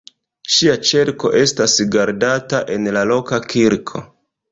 Ŝia ĉerko estas gardata en la loka kirko.